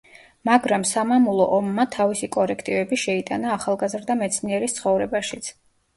მაგრამ სამამულო ომმა თავისი კორექტივები შეიტანა ახალგაზრდა მეცნიერის ცხოვრებაშიც.